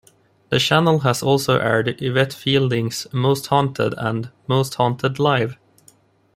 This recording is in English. The channel has also aired Yvette Fielding's "Most Haunted" and "Most Haunted Live!